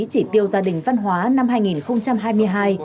chỉ tiêu gia đình văn hóa năm hai nghìn hai mươi hai